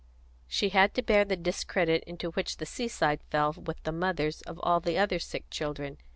She had to bear the discredit into which the seaside fell with the mothers of all the other sick children.